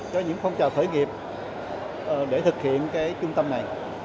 cho những phong trào thời nghiệp để thực hiện trung tâm này